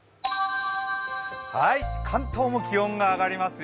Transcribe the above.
関東も気温が上がりますよ。